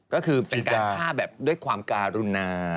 ก็คือเป็นการฆ่าแบบด้วยความการุณา